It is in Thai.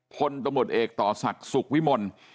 พลตำรวจเอกต่อศักดิ์สุขวิมล